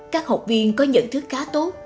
các học viên có nhận thức cá tốt